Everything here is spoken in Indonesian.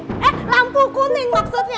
eh lampu kuning maksudnya